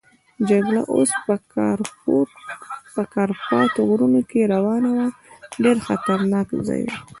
جګړه اوس په کارپات غرونو کې روانه وه، ډېر خطرناک ځای وو.